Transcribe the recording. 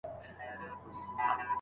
دوستي د سلو کلونو لار ده.